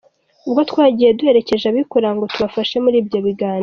Ubwo twagiye duherekeje abikorera ngo tubafashe muri ibyo biganiro.